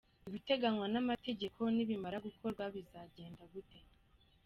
Ibiteganywa n’amategeko nibimara gukorwa bizagenda gute?.